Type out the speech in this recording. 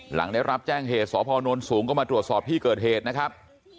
หลังได้รับแจ้งเหตุสพนสูงก็มาตรวจสอบที่เกิดเหตุนะครับ